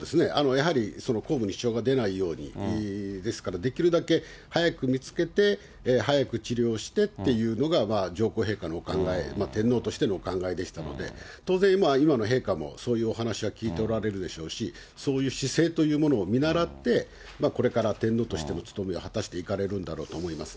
やはり公務に支障が出ないように、ですから、できるだけ早く見つけて、早く治療してっていうのが上皇陛下のお考え、天皇としてのお考えでしたので、当然、今の陛下もそういうお話は聞いておられるでしょうし、そういう姿勢というものを見習って、これから天皇としての務めを果たしていかれるんだろうと思います